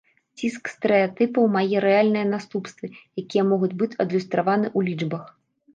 Ціск стэрэатыпаў мае рэальныя наступствы, якія могуць быць адлюстраваны ў лічбах.